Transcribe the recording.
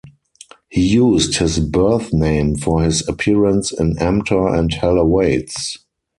He used his birth name for his appearance in Emptor and Hell Awaits.